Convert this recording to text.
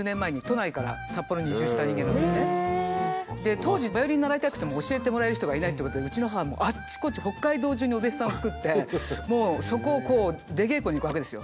当時バイオリン習いたくても教えてもらえる人がいないってことでうちの母もうあっちこっち北海道じゅうにお弟子さんをつくってもうそこをこう出稽古に行くわけですよ。